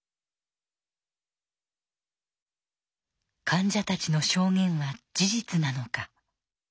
患者たちの証言は事実なのか。